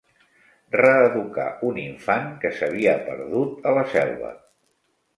Reeducar un infant que s'havia perdut a la selva.